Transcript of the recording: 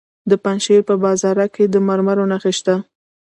د پنجشیر په بازارک کې د مرمرو نښې شته.